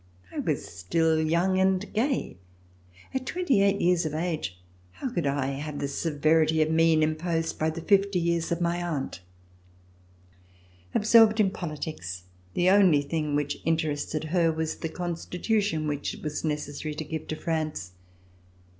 I was still young and gay. At twenty eight years of age how could I have had the severity of mien imposed by the fifty years of my aunt.? Absorbed in politics, the only thing which interested her was the Constitution which it was necessary to give to France.